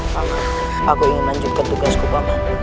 paman aku ingin lanjutkan tugasku paman